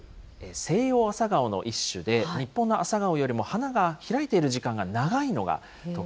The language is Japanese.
西洋アサガオの一種で、日本のアサガオよりも花が開いている時間